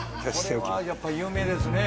これはやっぱり有名ですね